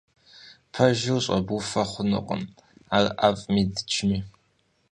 Пэжыр щӏэбуфэ хъунукъым, ар ӏэфӏми дыджми.